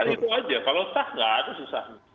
itu saja kalau tak tidak itu susah